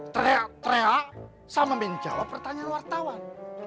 tereak tereak sama menjawab pertanyaan wartawan